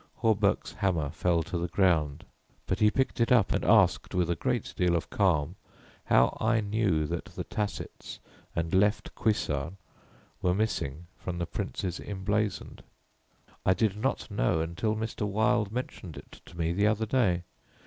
Hawberk's hammer fell to the ground, but he picked it up and asked, with a great deal of calm, how I knew that the tassets and left cuissard were missing from the "Prince's Emblazoned." "I did not know until Mr. Wilde mentioned it to me the other day.